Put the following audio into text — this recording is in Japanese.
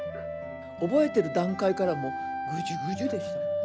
覚えてる段階からもうグジュグジュでした。